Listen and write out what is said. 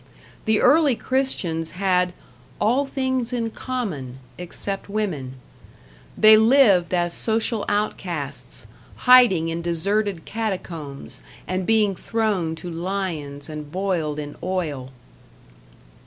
The early Christians had "all things in common, except women;" they lived as social outcasts, hiding in deserted catacombs, and being thrown to lions and boiled in oil.